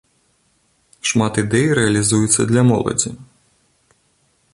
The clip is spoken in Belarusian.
Шмат ідэй рэалізуецца для моладзі.